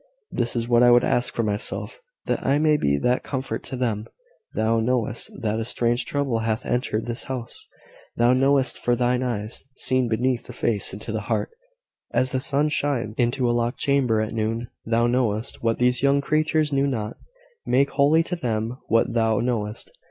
This is what I would ask for myself; that I may be that comfort to them. Thou knowest that a strange trouble hath entered this house thou knowest, for thine eye seeth beneath the face into the heart, as the sun shines into a locked chamber at noon. Thou knowest what these young creatures know not. Make holy to them what thou knowest.